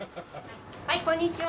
はいこんにちは。